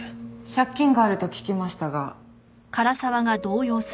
借金があると聞きましたが。